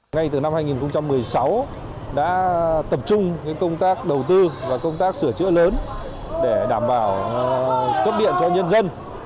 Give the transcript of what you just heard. ngay từ năm hai nghìn một mươi sáu đã tập trung công tác đầu tư và công tác sửa chữa lớn để đảm bảo cấp điện cho nhân dân